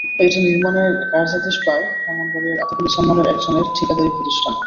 এটি নির্মাণের কার্যাদেশ পায় ব্রাহ্মণবাড়িয়ার আতিকুল ইসলাম নামের একজনের ঠিকাদারি প্রতিষ্ঠান।